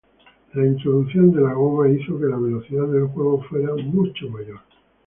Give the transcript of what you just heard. La introducción de la goma hizo que la velocidad del juego fuera mucho mayor.